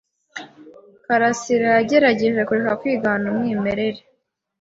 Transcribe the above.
Karasirayagerageje kureka kwigana umwimerere.